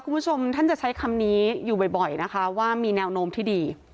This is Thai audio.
คุณผู้ชมท่านจะใช้คำนี้อยู่บ่อยนะคะว่ามีแนวโน้มที่ดี